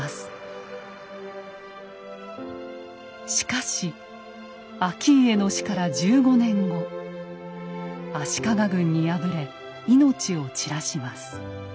しかし顕家の死から１５年後足利軍に敗れ命を散らします。